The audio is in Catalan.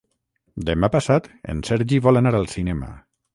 Demà passat en Sergi vol anar al cinema.